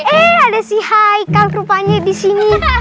eh ada si haikal rupanya di sini